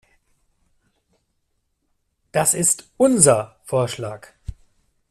Das ist unser Vorschlag.